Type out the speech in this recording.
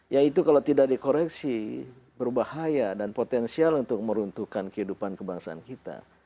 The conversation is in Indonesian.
yaitu kalau tidak dikoreksi berbahaya dan potensial untuk meruntuhkan kehidupan kebangsaan kita